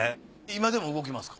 今でも動きますか？